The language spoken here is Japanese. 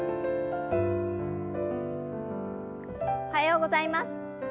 おはようございます。